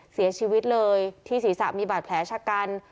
เสียชีวิตเลยที่ศีรษะมีบาดแผลชะกัน